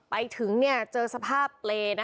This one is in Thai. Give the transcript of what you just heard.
ไปถึงเจอสภาพเล